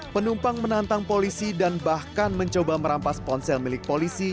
penumpang menantang polisi dan bahkan mencoba merampas ponsel milik polisi